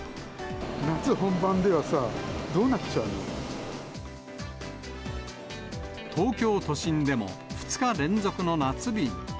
夏本番ではさ、どうなっちゃ東京都心でも２日連続の夏日に。